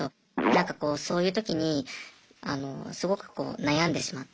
なんかこうそういう時にあのすごくこう悩んでしまって。